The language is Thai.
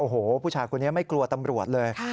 โอ้โหผู้ชายคนนี้ไม่กลัวตำรวจเลย